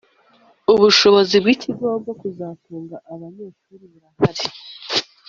Ubushobozi bw’ Ikigo bwo kuzatunga abanyeshuri burahari